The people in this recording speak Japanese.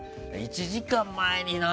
１時間前にな。